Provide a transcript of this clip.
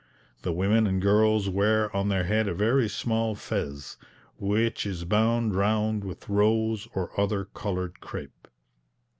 The women and girls wear on their head a very small fez, which is bound round with rose or other coloured crape.